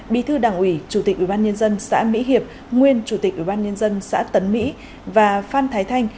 bí thư đảng ủy chủ tịch ủy ban nhân dân xã mỹ hiệp nguyên chủ tịch ủy ban nhân dân xã tấn mỹ và phan thái thanh